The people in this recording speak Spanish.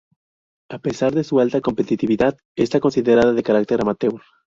A pesar de su alta competitividad, está considerada de carácter amateur.